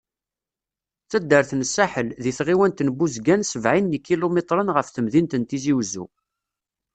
D taddart n Saḥel, di tɣiwant n Buzgan sebεin n yikilumitren ɣef temdint n Tizi Uzzu.